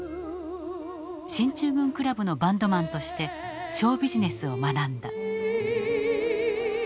進駐軍クラブのバンドマンとしてショービジネスを学んだ。